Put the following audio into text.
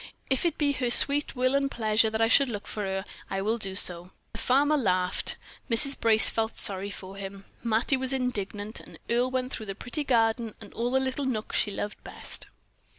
"If it be her sweet will and pleasure that I should look for her, I will do so." The farmer laughed, Mrs. Brace felt sorry for him, Mattie was indignant, and Earle went through the pretty garden and all the little nooks she loved best.